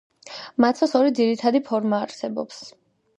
მაცოს ორი ძირითადი ფორმა არსებობს.